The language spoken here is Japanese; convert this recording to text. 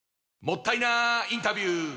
もったいなインタビュー！